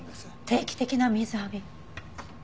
定期的な水浴び。